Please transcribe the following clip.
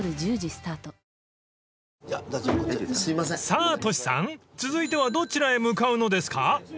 ［さあトシさん続いてはどちらへ向かうのですか？］